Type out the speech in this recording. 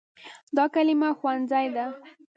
دا کلمه “ښوونځی” ده.